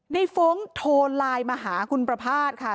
ฟ้องโทรไลน์มาหาคุณประภาษณ์ค่ะ